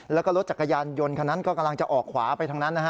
แล้วก็รถจักรยานยนต์คนนั้นก็กำลังจะออกขวาไปทางนั้นนะฮะ